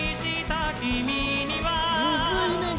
むずいねん